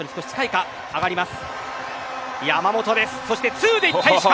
ツーでいった石川。